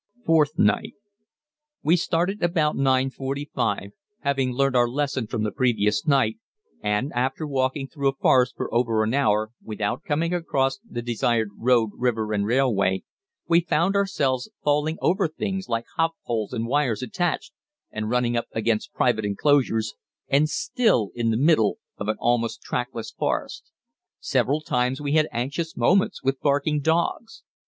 Fourth Night. We started about 9.45, having learnt our lesson from the previous night, and after walking through a forest for over an hour, without coming across the desired road, river, and railway, we found ourselves falling over things like hop poles with wires attached, and running up against private enclosures, and still in the middle of an almost trackless forest. Several times we had anxious moments with barking dogs.